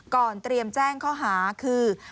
เตรียมแจ้งข้อหาคือ